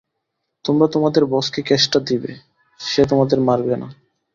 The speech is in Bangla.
তোমরা তোমাদের বসকে কেসটা দেবে, সে তোমাদের মারবে না।